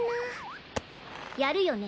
やるよね？